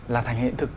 là thành hiện thực